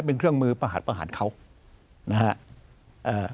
เป็นเครื่องมือภาษาภาหารเขานะฮะเอ่อ